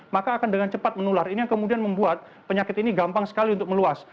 maka akan dengan cepat menular ini yang kemudian membuat penyakit ini gampang sekali untuk meluas